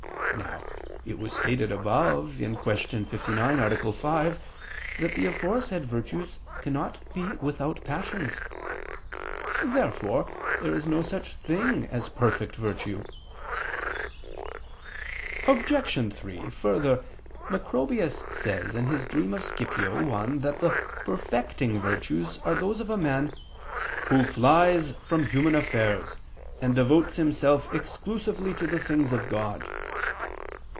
Now it was stated above (Q. 59, A. 5) that the aforesaid virtues cannot be without passions. Therefore there is no such thing as perfect virtue. Obj. 3: Further, he says (Macrobius: Super Somn. Scip. 1) that the "perfecting" virtues are those of the man "who flies from human affairs and devotes himself exclusively to the things of God."